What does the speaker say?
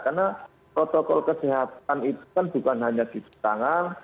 karena protokol kesehatan itu kan bukan hanya di tangan